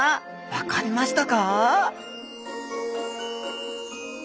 分かりました。